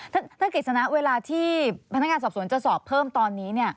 ท่านกฤษณะเวลาที่พนักงานสอบสวนจะสอบเพิ่มตอนนี้